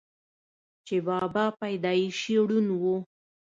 چې بابا پېدائشي ړوند وو،